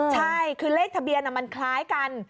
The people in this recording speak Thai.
ใช่คือเลขทะเบียนมันคล้ายกัน